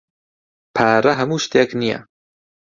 پارە ھەموو شتێک نییە.